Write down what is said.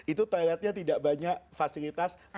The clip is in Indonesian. itu toiletnya tidak banyak fasilitas